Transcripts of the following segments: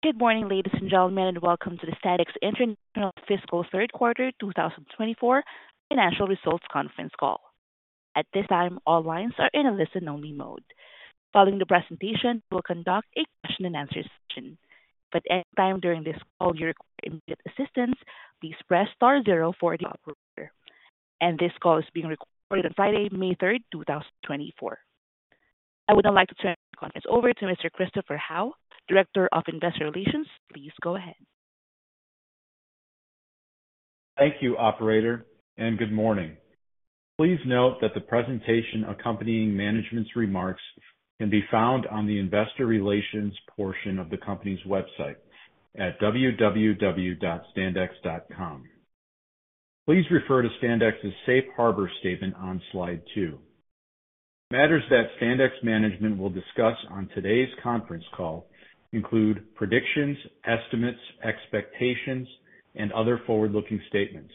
Good morning, ladies and gentlemen, and welcome to the Standex International Fiscal Third Quarter 2024 Financial Results Conference Call. At this time, all lines are in a listen-only mode. Following the presentation, we'll conduct a question-and-answer session. Any time during this call you require immediate assistance, please press star zero for the operator. This call is being recorded on Friday, May third, 2024. I would now like to turn the conference over to Mr. Christopher Howe, Director of Investor Relations. Please go ahead. Thank you, operator, and good morning. Please note that the presentation accompanying management's remarks can be found on the investor relations portion of the company's website at www.standex.com. Please refer to Standex's Safe Harbor statement on Slide two. Matters that Standex management will discuss on today's conference call include predictions, estimates, expectations, and other forward-looking statements.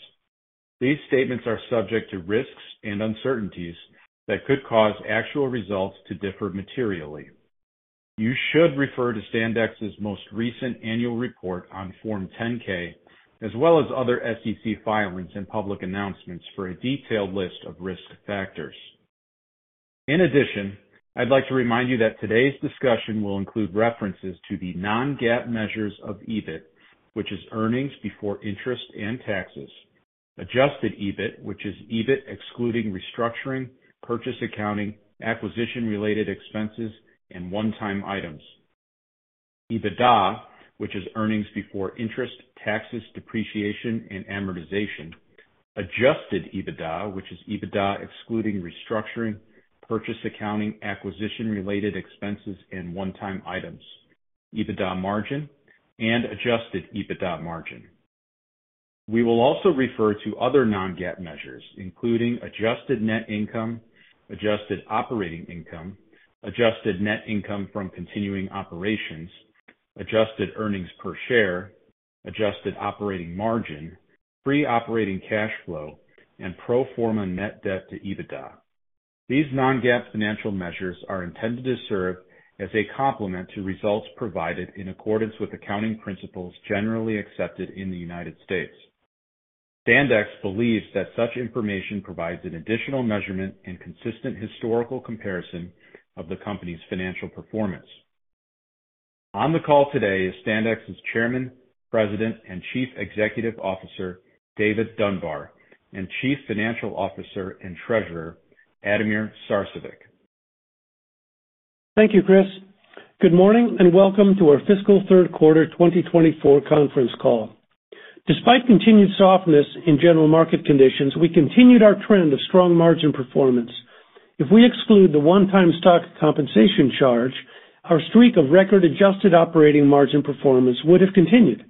These statements are subject to risks and uncertainties that could cause actual results to differ materially. You should refer to Standex's most recent annual report on Form 10-K, as well as other SEC filings and public announcements, for a detailed list of risk factors. In addition, I'd like to remind you that today's discussion will include references to the non-GAAP measures of EBIT, which is earnings before interest and taxes. Adjusted EBIT, which is EBIT excluding restructuring, purchase accounting, acquisition-related expenses, and one-time items. EBITDA, which is earnings before interest, taxes, depreciation, and amortization. Adjusted EBITDA, which is EBITDA excluding restructuring, purchase accounting, acquisition-related expenses, and one-time items, EBITDA margin and Adjusted EBITDA margin. We will also refer to other non-GAAP measures, including adjusted net income, adjusted operating income, adjusted net income from continuing operations, adjusted earnings per share, adjusted operating margin, free operating cash flow, and pro forma net debt to EBITDA. These non-GAAP financial measures are intended to serve as a complement to results provided in accordance with accounting principles generally accepted in the United States. Standex believes that such information provides an additional measurement and consistent historical comparison of the company's financial performance. On the call today is Standex's Chairman, President, and Chief Executive Officer, David Dunbar, and Chief Financial Officer and Treasurer, Ademir Sarcevic. Thank you, Chris. Good morning, and welcome to our fiscal third quarter 2024 conference call. Despite continued softness in general market conditions, we continued our trend of strong margin performance. If we exclude the one-time stock compensation charge, our streak of record-adjusted operating margin performance would have continued.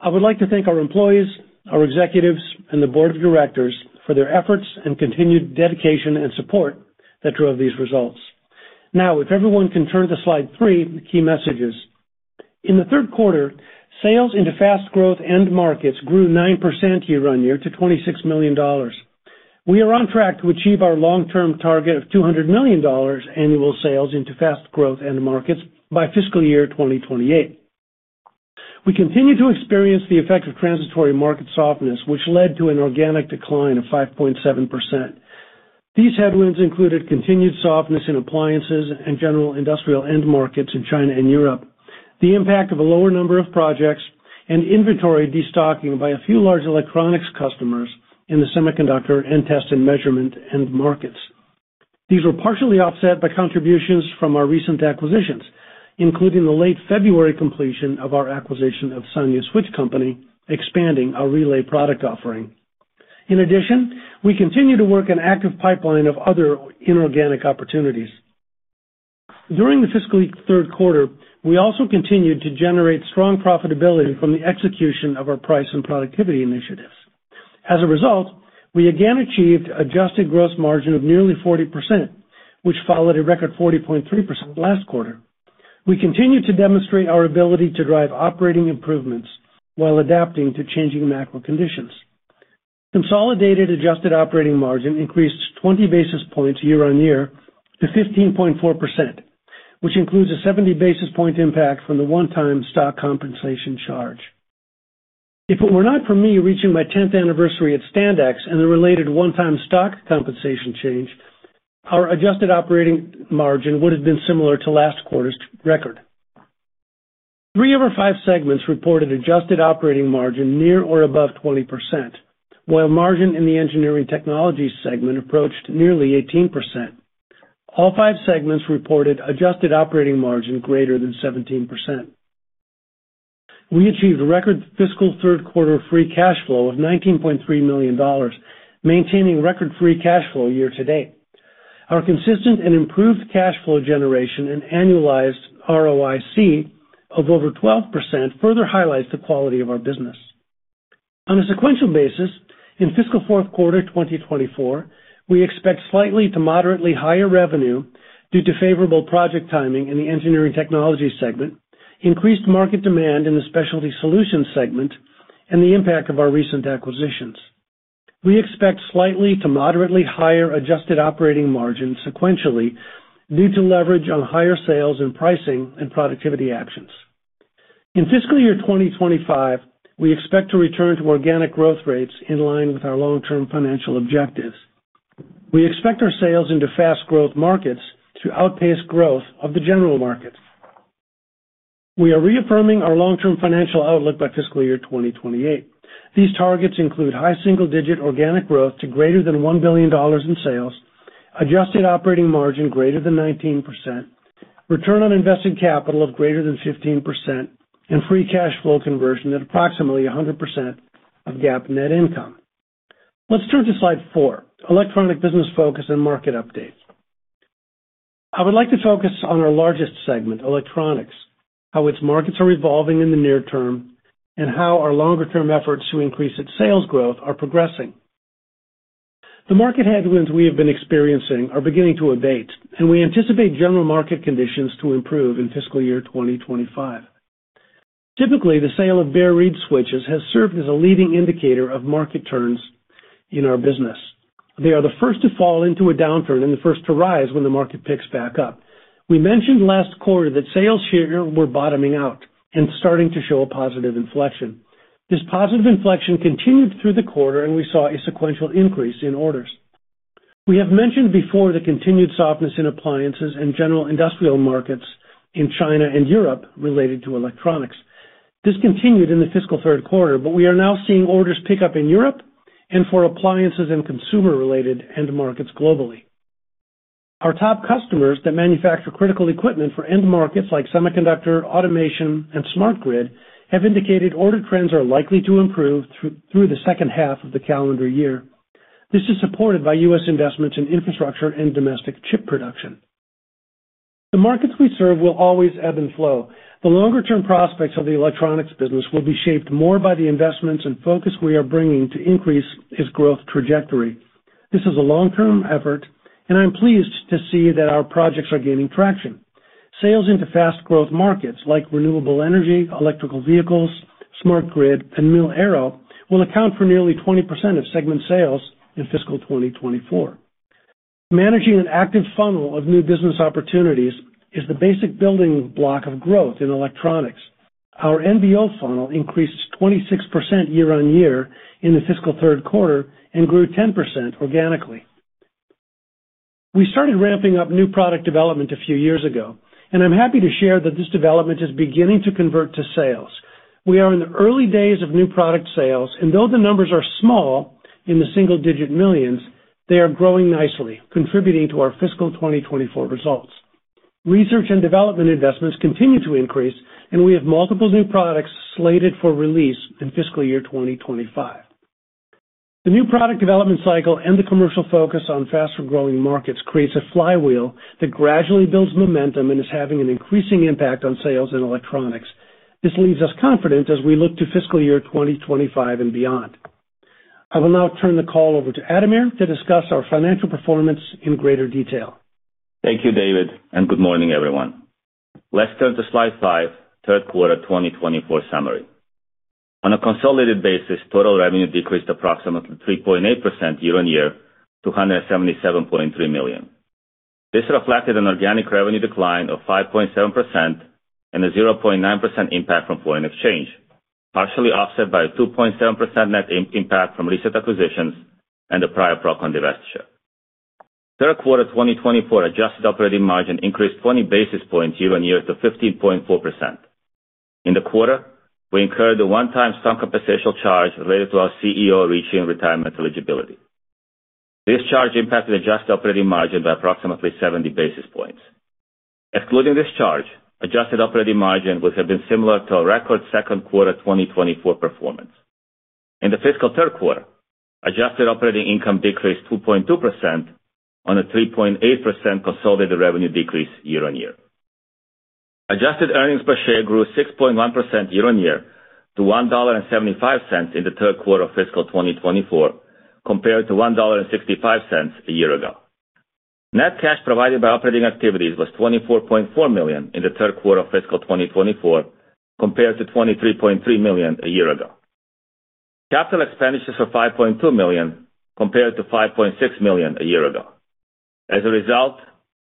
I would like to thank our employees, our executives, and the board of directors for their efforts and continued dedication and support that drove these results. Now, if everyone can turn to Slide three, key messages. In the third quarter, sales into fast growth end markets grew 9% year-on-year to $26 million. We are on track to achieve our long-term target of $200 million annual sales into fast growth end markets by fiscal year 2028. We continue to experience the effect of transitory market softness, which led to an organic decline of 5.7%. These headwinds included continued softness in appliances and general industrial end markets in China and Europe, the impact of a lower number of projects, and inventory destocking by a few large electronics customers in the semiconductor and test and measurement end markets. These were partially offset by contributions from our recent acquisitions, including the late February completion of our acquisition of Sanyu Switch Company, expanding our relay product offering. In addition, we continue to work an active pipeline of other inorganic opportunities. During the fiscal third quarter, we also continued to generate strong profitability from the execution of our price and productivity initiatives. As a result, we again achieved adjusted gross margin of nearly 40%, which followed a record 40.3% last quarter. We continue to demonstrate our ability to drive operating improvements while adapting to changing macro conditions. Consolidated adjusted operating margin increased 20 basis points year-on-year to 15.4%, which includes a 70 basis point impact from the one-time stock compensation charge. If it were not for me reaching my 10th anniversary at Standex and the related one-time stock compensation change, our adjusted operating margin would have been similar to last quarter's record. Three of our five segments reported adjusted operating margin near or above 20%, while margin in the Engineering Technologies segment approached nearly 18%. All five segments reported adjusted operating margin greater than 17%. We achieved a record fiscal third quarter free cash flow of $19.3 million, maintaining record free cash flow year-to-date. Our consistent and improved cash flow generation and annualized ROIC of over 12% further highlights the quality of our business. On a sequential basis, in fiscal fourth quarter 2024, we expect slightly to moderately higher revenue due to favorable project timing in the Engineering Technologies segment, increased market demand in the Specialty Solutions segment, and the impact of our recent acquisitions. We expect slightly to moderately higher adjusted operating margin sequentially, due to leverage on higher sales and pricing and productivity actions. In fiscal year 2025, we expect to return to organic growth rates in line with our long-term financial objectives. We expect our sales into fast growth markets to outpace growth of the general market. We are reaffirming our long-term financial outlook by fiscal year 2028. These targets include high single-digit organic growth to greater than $1 billion in sales, adjusted operating margin greater than 19%, return on invested capital of greater than 15%, and free cash flow conversion at approximately 100% of GAAP net income. Let's turn to Slide four, Electronics Business Focus and Market Update. I would like to focus on our largest segment, Electronics, how its markets are evolving in the near term, and how our longer-term efforts to increase its sales growth are progressing. The market headwinds we have been experiencing are beginning to abate, and we anticipate general market conditions to improve in fiscal year 2025. Typically, the sale of bare reed switches has served as a leading indicator of market turns in our business. They are the first to fall into a downturn and the first to rise when the market picks back up. We mentioned last quarter that sales here were bottoming out and starting to show a positive inflection. This positive inflection continued through the quarter, and we saw a sequential increase in orders. We have mentioned before the continued softness in appliances and general industrial markets in China and Europe related to electronics. This continued in the fiscal third quarter, but we are now seeing orders pick up in Europe and for appliances and consumer-related end markets globally. Our top customers that manufacture critical equipment for end markets like semiconductor, automation, and smart grid, have indicated order trends are likely to improve through, through the second half of the calendar year. This is supported by U.S. investments in infrastructure and domestic chip production. The markets we serve will always ebb and flow. The longer-term prospects of the Electronics business will be shaped more by the investments and focus we are bringing to increase its growth trajectory. This is a long-term effort, and I'm pleased to see that our projects are gaining traction. Sales into fast growth markets like renewable energy, electric vehicles, smart grid, and Mil-Aero will account for nearly 20% of segment sales in fiscal 2024. Managing an active funnel of new business opportunities is the basic building block of growth in Electronics. Our NBO funnel increased 26% year-on-year in the fiscal third quarter and grew 10% organically. We started ramping up new product development a few years ago, and I'm happy to share that this development is beginning to convert to sales. We are in the early days of new product sales, and though the numbers are small, in the single-digit millions, they are growing nicely, contributing to our fiscal 2024 results. Research and development investments continue to increase, and we have multiple new products slated for release in fiscal year 2025. The new product development cycle and the commercial focus on faster-growing markets creates a flywheel that gradually builds momentum and is having an increasing impact on sales and electronics. This leaves us confident as we look to fiscal year 2025 and beyond. I will now turn the call over to Ademir to discuss our financial performance in greater detail. Thank you, David, and good morning, everyone. Let's turn to Slide five, third quarter 2024 summary. On a consolidated basis, total revenue decreased approximately 3.8% year-on-year to $177.3 million. This reflected an organic revenue decline of 5.7% and a 0.9% impact from foreign exchange, partially offset by a 2.7% net impact from recent acquisitions and the prior Procon divestiture. Third quarter 2024 adjusted operating margin increased 20 basis points year-on-year to 15.4%. In the quarter, we incurred a one-time stock compensation charge related to our CEO reaching retirement eligibility. This charge impacted adjusted operating margin by approximately 70 basis points. Excluding this charge, adjusted operating margin would have been similar to our record second quarter 2024 performance. In the fiscal third quarter, adjusted operating income decreased 2.2% on a 3.8% consolidated revenue decrease year-on-year. Adjusted earnings per share grew 6.1% year-on-year to $1.75 in the third quarter of fiscal 2024, compared to $1.65 a year ago. Net cash provided by operating activities was $24.4 million in the third quarter of fiscal 2024, compared to $23.3 million a year ago. Capital expenditures are $5.2 million, compared to $5.6 million a year ago. As a result,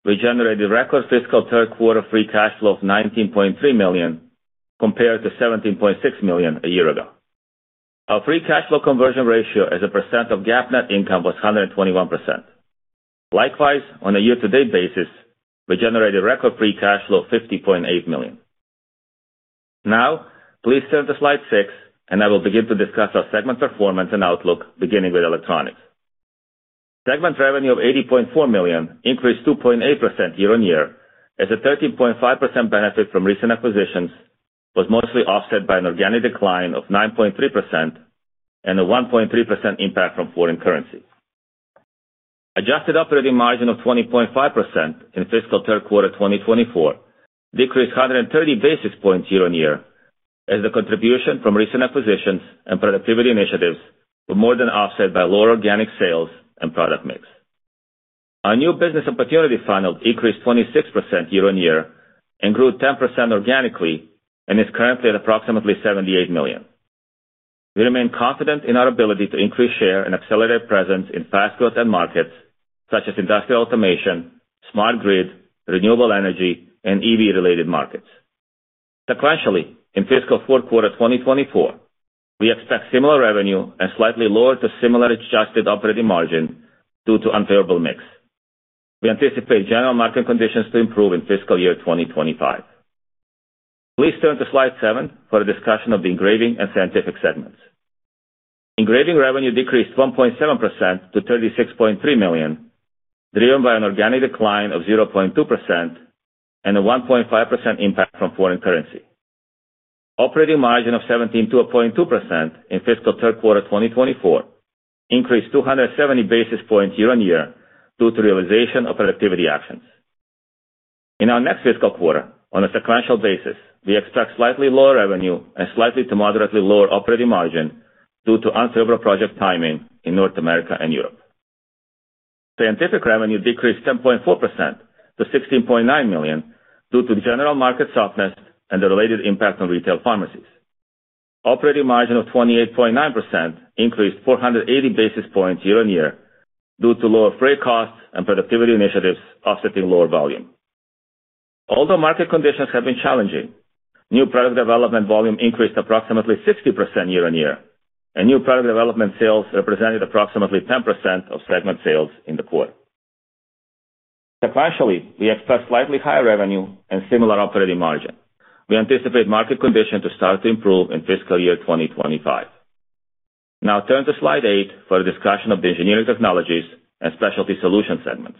we generated record fiscal third quarter free cash flow of $19.3 million, compared to $17.6 million a year ago. Our free cash flow conversion ratio as a % of GAAP net income was 121%. Likewise, on a year-to-date basis, we generated record free cash flow of $50.8 million. Now, please turn to slide six, and I will begin to discuss our segment performance and outlook, beginning with Electronics. Segment revenue of $80.4 million increased 2.8% year-on-year, as a 13.5% benefit from recent acquisitions was mostly offset by an organic decline of 9.3% and a 1.3% impact from foreign currency. Adjusted operating margin of 20.5% in fiscal third quarter 2024 decreased 130 basis points year-on-year, as the contribution from recent acquisitions and productivity initiatives were more than offset by lower organic sales and product mix. Our new business opportunity funnel increased 26% year-on-year and grew 10% organically, and is currently at approximately $78 million. We remain confident in our ability to increase share and accelerate presence in fast growth end markets, such as industrial automation, smart grid, renewable energy, and EV-related markets. Sequentially, in fiscal fourth quarter 2024, we expect similar revenue and slightly lower to similar adjusted operating margin due to unfavorable mix. We anticipate general market conditions to improve in fiscal year 2025. Please turn to Slide seven for a discussion of the Engraving and Scientific segments. Engraving revenue decreased 1.7% to $36.3 million, driven by an organic decline of 0.2% and a 1.5% impact from foreign currency. Operating margin of 17.2% in fiscal third quarter 2024 increased 270 basis points year-on-year due to realization of productivity actions. In our next fiscal quarter, on a sequential basis, we expect slightly lower revenue and slightly to moderately lower operating margin due to unfavorable project timing in North America and Europe. Scientific revenue decreased 10.4% to $16.9 million due to general market softness and the related impact on retail pharmacies. Operating margin of 28.9% increased 480 basis points year-on-year due to lower freight costs and productivity initiatives offsetting lower volume. Although market conditions have been challenging, new product development volume increased approximately 60% year-on-year, and new product development sales represented approximately 10% of segment sales in the quarter. Sequentially, we expect slightly higher revenue and similar operating margin. We anticipate market condition to start to improve in fiscal year 2025. Now turn to Slide eight for a discussion of the Engineering Technologies and Specialty Solutions segments.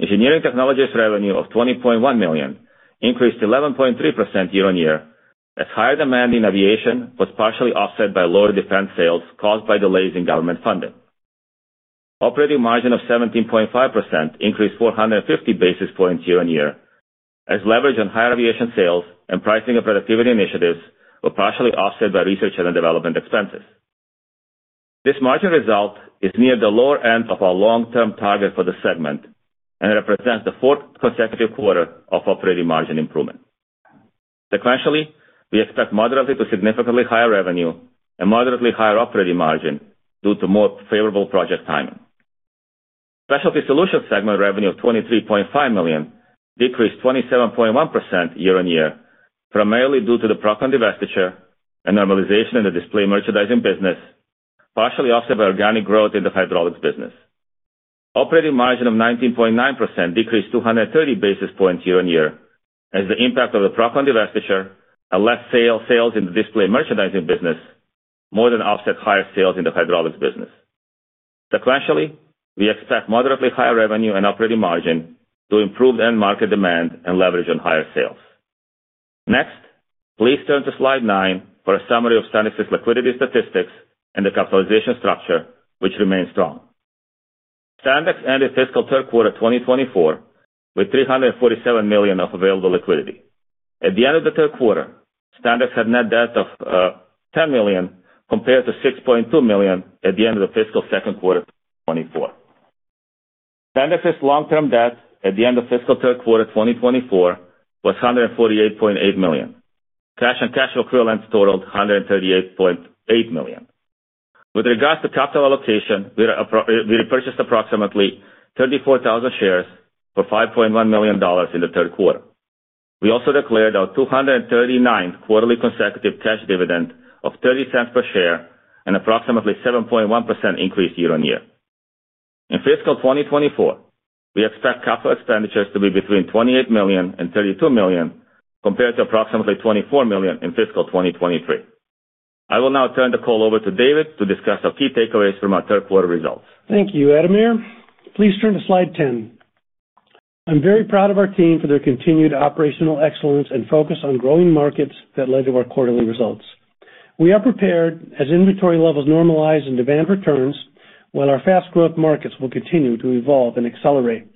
Engineering Technologies revenue of $20.1 million increased 11.3% year-on-year, as higher demand in aviation was partially offset by lower defense sales caused by delays in government funding. Operating margin of 17.5% increased 450 basis points year-on-year, as leverage on higher aviation sales and pricing of productivity initiatives were partially offset by research and development expenses. This margin result is near the lower end of our long-term target for the segment and represents the fourth consecutive quarter of operating margin improvement. Sequentially, we expect moderately to significantly higher revenue and moderately higher operating margin due to more favorable project timing. Specialty Solutions segment revenue of $23.5 million decreased 27.1% year-on-year, primarily due to the Procon divestiture and normalization in the Display Merchandising business, partially offset by organic growth in the Hydraulics business. Operating margin of 19.9% decreased 230 basis points year-on-year, as the impact of the Procon divestiture and less sales in the Display Merchandising business more than offset higher sales in the Hydraulics business. Sequentially, we expect moderately higher revenue and operating margin to improve end market demand and leverage on higher sales. Next, please turn to Slide nine for a summary of Standex's liquidity statistics and the capitalization structure, which remains strong. Standex ended fiscal third quarter 2024 with $347 million of available liquidity. At the end of the third quarter, Standex had net debt of $10 million, compared to $6.2 million at the end of the fiscal second quarter 2024. Standex's long-term debt at the end of fiscal third quarter 2024 was $148.8 million. Cash and cash equivalents totaled $138.8 million. With regards to capital allocation, we repurchased approximately 34,000 shares for $5.1 million in the third quarter. We also declared our 239th consecutive quarterly cash dividend of $0.30 per share and approximately 7.1% increase year-on-year. In fiscal 2024, we expect capital expenditures to be between $28 million and $32 million, compared to approximately $24 million in fiscal 2023. I will now turn the call over to David to discuss our key takeaways from our third quarter results. Thank you, Ademir. Please turn to Slide 10. I'm very proud of our team for their continued operational excellence and focus on growing markets that led to our quarterly results. We are prepared, as inventory levels normalize and demand returns, while our fast growth markets will continue to evolve and accelerate.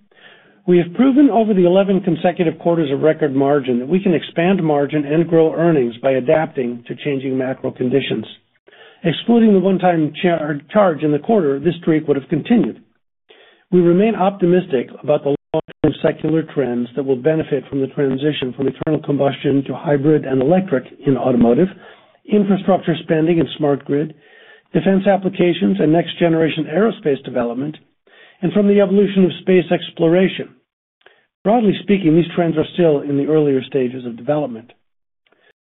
We have proven over the 11 consecutive quarters of record margin that we can expand margin and grow earnings by adapting to changing macro conditions. Excluding the one-time charge in the quarter, this streak would have continued. We remain optimistic about the long-term secular trends that will benefit from the transition from internal combustion to hybrid and electric in automotive, infrastructure spending and smart grid, defense applications and next-generation aerospace development, and from the evolution of space exploration. Broadly speaking, these trends are still in the earlier stages of development.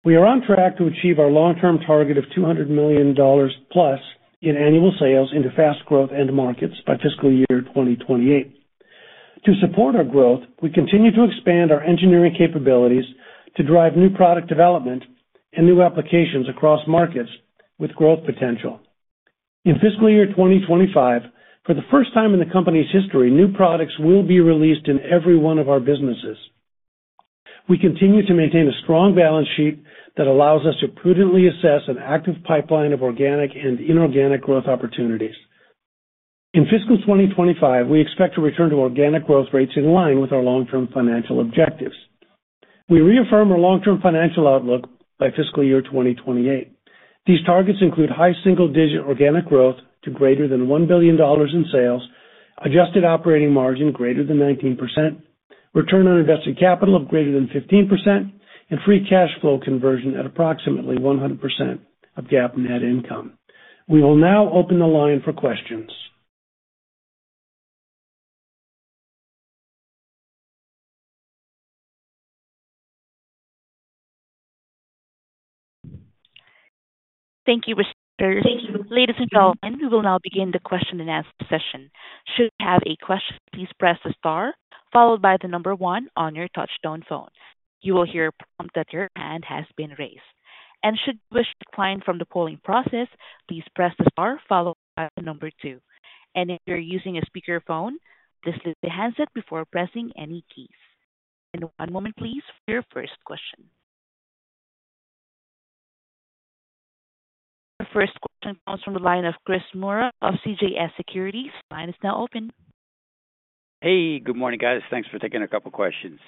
We are on track to achieve our long-term target of $200 million plus in annual sales into fast growth end markets by fiscal year 2028. To support our growth, we continue to expand our engineering capabilities to drive new product development and new applications across markets with growth potential. In fiscal year 2025, for the first time in the company's history, new products will be released in every one of our businesses. We continue to maintain a strong balance sheet that allows us to prudently assess an active pipeline of organic and inorganic growth opportunities. In fiscal 2025, we expect to return to organic growth rates in line with our long-term financial objectives.... We reaffirm our long-term financial outlook by fiscal year 2028. These targets include high single-digit organic growth to greater than $1 billion in sales, adjusted operating margin greater than 19%, return on invested capital of greater than 15%, and free cash flow conversion at approximately 100% of GAAP net income. We will now open the line for questions. Thank you, Richard. Ladies and gentlemen, we will now begin the question and answer session. Should you have a question, please press the star followed by the number one on your touchtone phone. You will hear a prompt that your hand has been raised, and should you wish to decline from the polling process, please press the star followed by the number two. And if you're using a speakerphone, this is the handset before pressing any keys. And one moment please, for your first question. The first question comes from the line of Chris Moore of CJS Securities. Line is now open. Hey, good morning, guys. Thanks for taking a couple questions.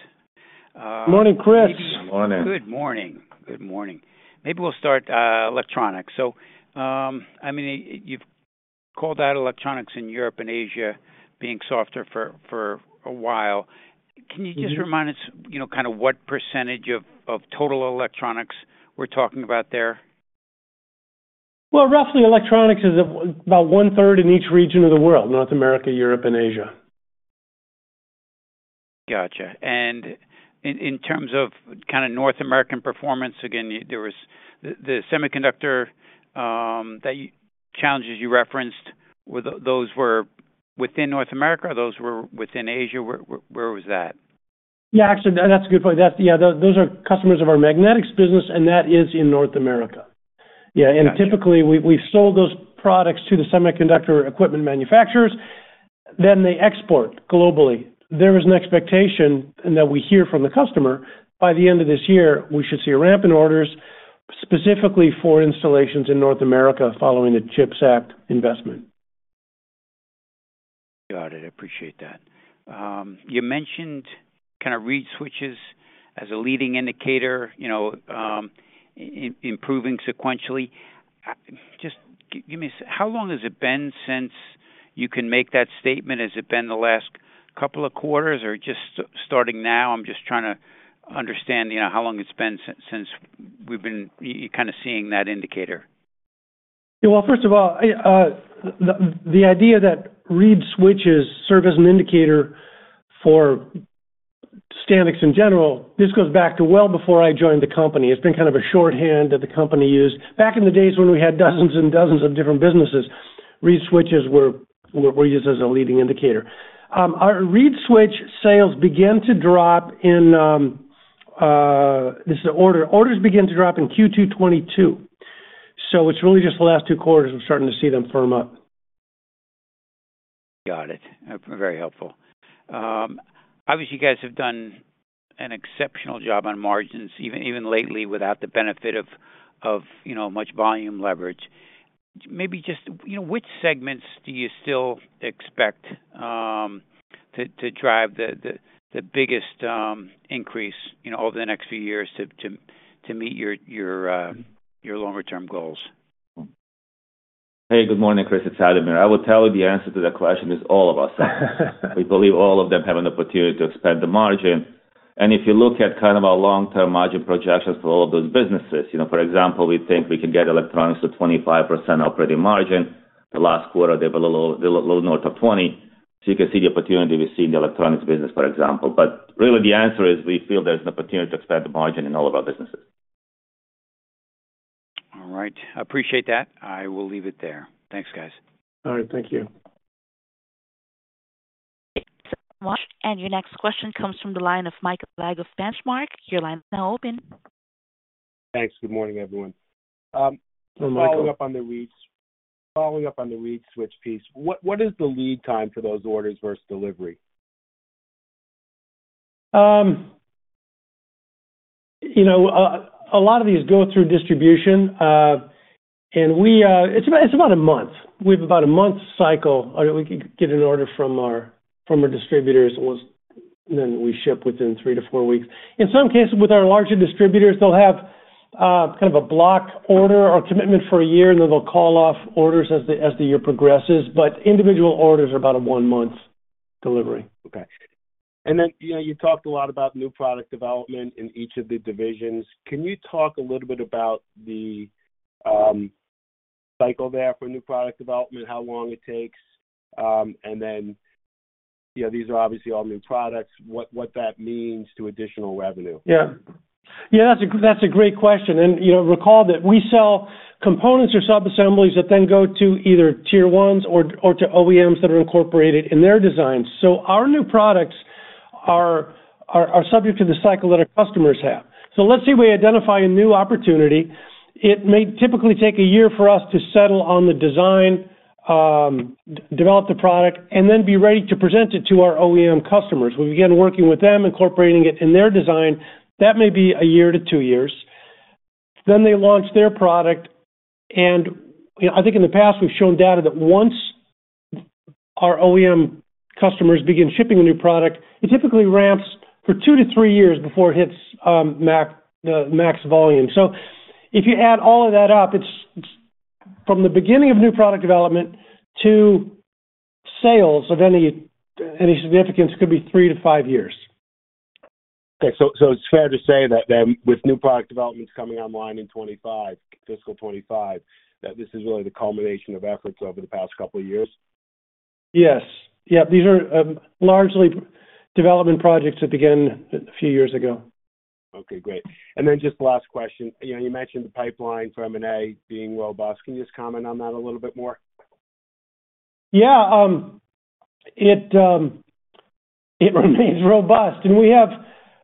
Good morning, Chris. Good morning. Good morning. Good morning. Maybe we'll start, Electronics. So, I mean, you've called out Electronics in Europe and Asia being softer for a while. Mm-hmm. Can you just remind us, you know, kind of what percentage of total electronics we're talking about there? Well, roughly, Electronics is about one-third in each region of the world, North America, Europe, and Asia. Gotcha. And in terms of kind of North American performance, again, there was the semiconductor challenges you referenced. Were those within North America, or those within Asia? Where was that? Yeah, actually, that's a good point. That's, yeah, those are customers of our magnetics business, and that is in North America. Gotcha. Yeah, and typically, we've sold those products to the semiconductor equipment manufacturers, then they export globally. There is an expectation that we hear from the customer by the end of this year, we should see a ramp in orders, specifically for installations in North America, following the CHIPS Act investment. Got it. I appreciate that. You mentioned kind of reed switches as a leading indicator, you know, improving sequentially. Just give me, how long has it been since you can make that statement? Has it been the last couple of quarters or just starting now? I'm just trying to understand, you know, how long it's been since we've been kind of seeing that indicator. Yeah, well, first of all, the idea that reed switches serve as an indicator for Standex in general, this goes back to well before I joined the company. It's been kind of a shorthand that the company used. Back in the days when we had dozens and dozens of different businesses, reed switches were used as a leading indicator. Our reed switch sales began to drop in, Orders began to drop in Q2 2022, so it's really just the last two quarters we're starting to see them firm up. Got it. Very helpful. Obviously, you guys have done an exceptional job on margins, even lately, without the benefit of you know, much volume leverage. Maybe just, you know, which segments do you still expect to drive the biggest increase, you know, over the next few years to meet your longer-term goals? Hey, good morning, Chris. It's Ademir. I will tell you the answer to that question is all of our segments. We believe all of them have an opportunity to expand the margin, and if you look at kind of our long-term margin projections for all of those businesses, you know, for example, we think we can get Electronics to 25% operating margin. The last quarter, they were a little north of 20%. So you can see the opportunity we see in the Electronics business, for example. But really, the answer is we feel there's an opportunity to expand the margin in all of our businesses. All right. I appreciate that. I will leave it there. Thanks, guys. All right, thank you. Your next question comes from the line of Mike Legg of Benchmark. Your line is now open. Thanks. Good morning, everyone. Hi, Michael. Following up on the reed, following up on the reed switch piece, what is the lead time for those orders versus delivery? You know, a lot of these go through distribution, and it's about a month. We've about a month cycle, we can get an order from our distributors, and then we ship within 3-4 weeks. In some cases, with our larger distributors, they'll have kind of a block order or commitment for a year, and then they'll call off orders as the year progresses. But individual orders are about a one month delivery. Okay. And then, you know, you talked a lot about new product development in each of the divisions. Can you talk a little bit about the cycle there for new product development, how long it takes? And then, you know, these are obviously all new products, what, what that means to additional revenue. Yeah. Yeah, that's a great question, and, you know, recall that we sell components or subassemblies that then go to either Tier 1s or to OEMs that are incorporated in their designs. So our new products are subject to the cycle that our customers have. So let's say we identify a new opportunity, it may typically take a year for us to settle on the design, develop the product, and then be ready to present it to our OEM customers. We begin working with them, incorporating it in their design. That may be a year to two years. Then they launch their product, and, you know, I think in the past, we've shown data that once our OEM customers begin shipping a new product, it typically ramps for 2-3 years before it hits max volume. If you add all of that up, it's from the beginning of new product development to sales of any significance, could be 3-5 years. Okay. So it's fair to say that with new product developments coming online in 2025, fiscal 2025, that this is really the culmination of efforts over the past couple of years? Yes. Yeah, these are largely development projects that began a few years ago. Okay, great. And then just the last question. You know, you mentioned the pipeline for M&A being well robust. Can you just comment on that a little bit more? It remains robust, and we have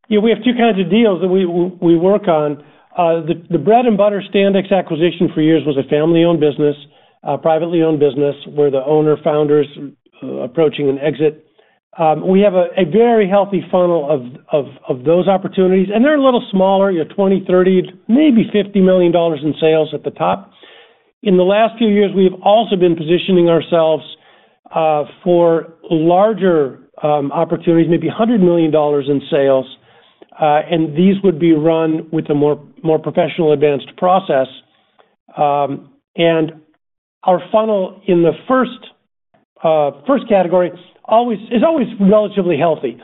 two kinds of deals that we work on. The bread and butter Standex acquisition for years was a family-owned business, a privately-owned business, where the owner, founders, approaching an exit. We have a very healthy funnel of those opportunities, and they're a little smaller, or 20, 30, maybe 50 million dollars in sales at the top. In the last few years, we've also been positioning ourselves for larger opportunities, maybe $100 million in sales, and these would be run with a more professional advanced process. And our funnel in the first category always is always relatively healthy.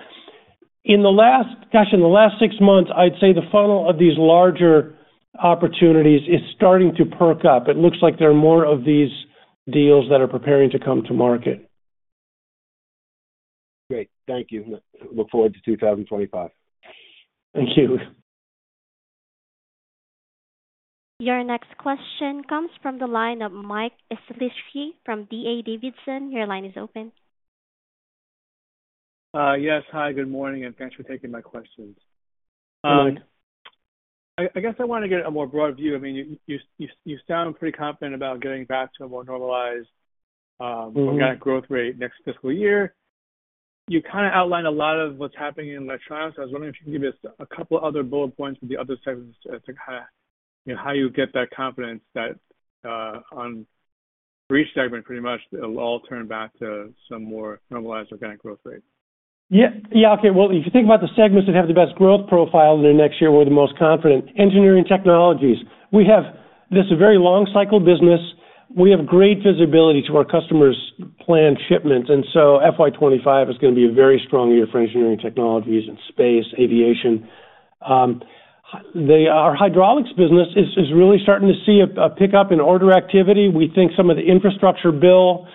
In the last six months, I'd say the funnel of these larger opportunities is starting to perk up. It looks like there are more of these deals that are preparing to come to market. Great. Thank you. Look forward to 2025. Thank you. Your next question comes from the line of Michael Shlisky from D.A. Davidson. Your line is open. Yes. Hi, good morning, and thanks for taking my questions. Good morning. I guess I want to get a more broad view. I mean, you sound pretty confident about getting back to a more normalized, Mm-hmm Organic growth rate next fiscal year. You kind of outlined a lot of what's happening in electronics. I was wondering if you could give us a couple other bullet points from the other segments as to kind of, you know, how you get that confidence that, on each segment, pretty much, it'll all turn back to some more normalized organic growth rate? Yeah. Yeah, okay. Well, if you think about the segments that have the best growth profile in the next year, we're the most confident. Engineering Technologies. We have this very long cycle business. We have great visibility to our customers' planned shipments, and so FY 2025 is gonna be a very strong year for Engineering Technologies in space, aviation. The Hydraulics business is really starting to see a pickup in order activity. We think some of the infrastructure bill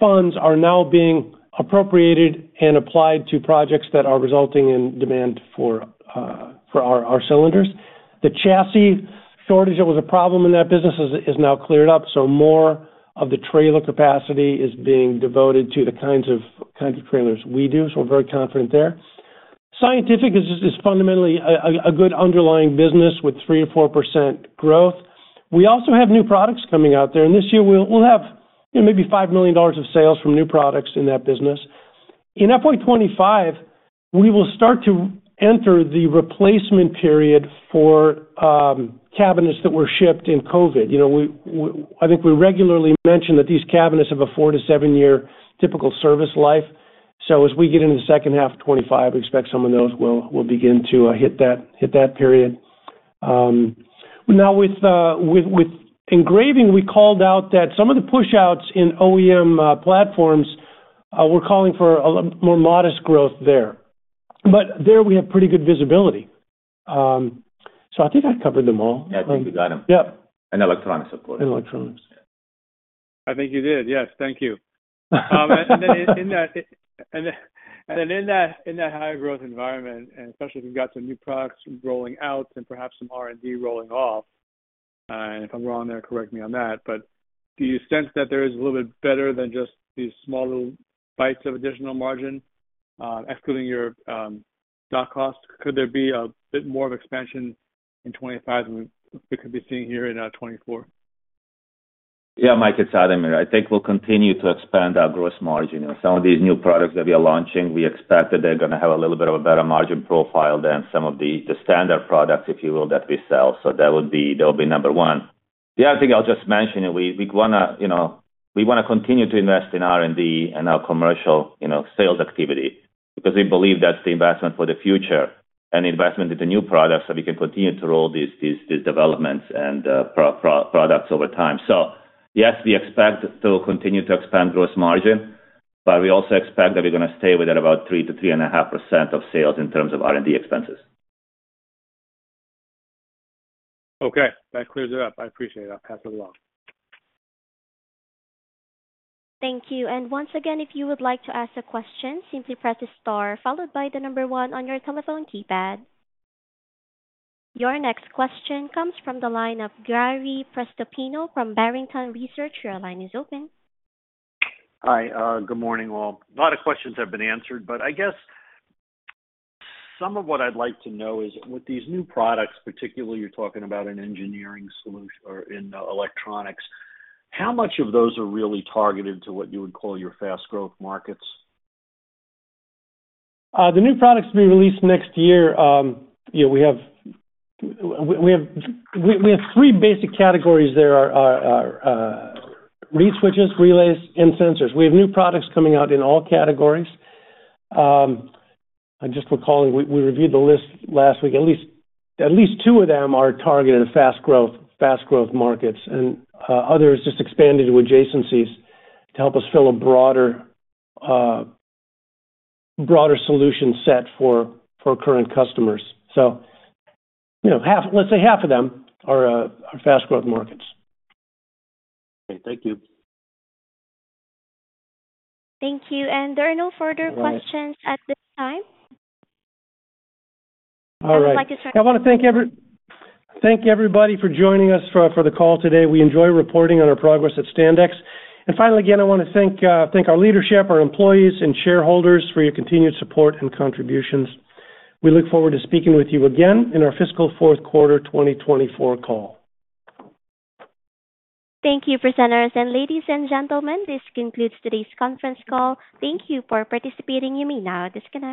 funds are now being appropriated and applied to projects that are resulting in demand for our cylinders. The chassis shortage that was a problem in that business is now cleared up, so more of the trailer capacity is being devoted to the kinds of trailers we do, so we're very confident there. Scientific is fundamentally a good underlying business with 3%-4% growth. We also have new products coming out there, and this year we'll have, you know, maybe $5 million of sales from new products in that business. In FY 2025, we will start to enter the replacement period for cabinets that were shipped in COVID. You know, I think we regularly mention that these cabinets have a 4-7 year typical service life, so as we get into the second half of 2025, we expect some of those will begin to hit that period. Now with Engraving, we called out that some of the push outs in OEM platforms we're calling for a more modest growth there. But there, we have pretty good visibility. So, I think I've covered them all. Yeah, I think you got them. Yep. Electronics, of course. And electronics. I think you did. Yes, thank you. And then in that high growth environment, and especially if you've got some new products rolling out and perhaps some R&D rolling off, and if I'm wrong there, correct me on that, but do you sense that there is a little bit better than just these small little bites of additional margin, excluding your stock costs? Could there be a bit more of expansion in 2025 than we could be seeing here in 2024? Yeah, Mike, it's Ademir. I think we'll continue to expand our gross margin, and some of these new products that we are launching, we expect that they're gonna have a little bit of a better margin profile than some of the standard products, if you will, that we sell. So that would be... That would be number one. The other thing I'll just mention, and we wanna, you know, we wanna continue to invest in R&D and our commercial, you know, sales activity, because we believe that's the investment for the future and investment in the new products, so we can continue to roll these developments and products over time. So yes, we expect to continue to expand gross margin, but we also expect that we're gonna stay within about 3%-3.5% of sales in terms of R&D expenses. Okay, that clears it up. I appreciate it. I'll pass it along. Thank you. And once again, if you would like to ask a question, simply press star followed by the number one on your telephone keypad. Your next question comes from the line of Gary Prestopino from Barrington Research. Your line is open. Hi, good morning, all. A lot of questions have been answered, but I guess some of what I'd like to know is, with these new products, particularly you're talking about an engineering solution or in electronics, how much of those are really targeted to what you would call your fast growth markets? The new products to be released next year, yeah, we have, we have three basic categories. There are reed switches, relays, and sensors. We have new products coming out in all categories. I'm just recalling, we reviewed the list last week. At least two of them are targeted at fast growth markets, and others just expanded to adjacencies to help us fill a broader solution set for current customers. So, you know, half, let's say half of them are fast growth markets. Okay. Thank you. Thank you, and there are no further questions at this time. All right. If you'd like to— I wanna thank everybody for joining us for the call today. We enjoy reporting on our progress at Standex. And finally, again, I wanna thank our leadership, our employees, and shareholders for your continued support and contributions. We look forward to speaking with you again in our fiscal fourth quarter 2024 call. Thank you, presenters, and ladies and gentlemen, this concludes today's conference call. Thank you for participating. You may now disconnect.